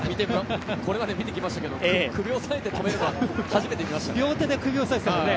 これまで見てきましたけど首を押さえて、止めるのは初めて見ましたね。